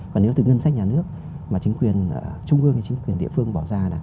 còn nếu từ ngân sách nhà nước mà chính quyền trung ương hay chính quyền địa phương bỏ ra là